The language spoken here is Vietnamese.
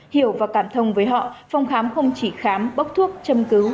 hiểu và cảm thông với họ phòng khám không chỉ khám bốc thuốc châm cứu